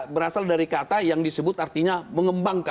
berasal dari kata yang disebut artinya mengembangkan